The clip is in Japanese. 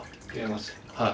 はい。